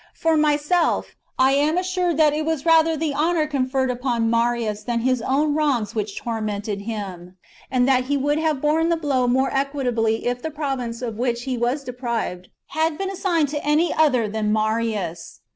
For myself, I am assured that it was rather the honour conferred upon Marius than his own wrongs which tormented him, and that he would have borne the blow more equably if the province of which he was deprived had been assigned to any other than Marius.